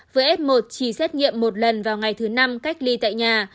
với f một chỉ xét nghiệm một lần vào ngày thứ năm cách ly tại nhà